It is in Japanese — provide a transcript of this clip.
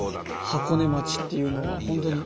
箱根町っていうのは本当に。